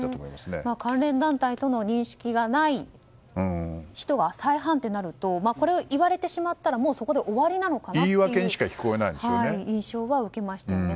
関連団体との認識がない人はとなるとこれを言われてしまったらそこで終わりなのかなという印象は受けましたね。